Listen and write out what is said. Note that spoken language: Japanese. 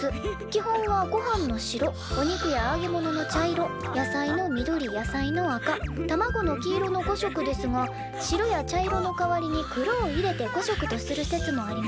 基本はごはんの白お肉やあげ物の茶色野菜の緑野菜の赤卵の黄色の５色ですが白や茶色の代わりに黒を入れて５色とする説もあります」。